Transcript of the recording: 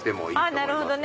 なるほどね。